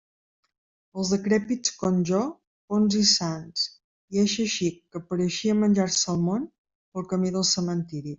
Els decrèpits com jo, bons i sans, i eixe xic que pareixia menjar-se el món, pel camí del cementiri.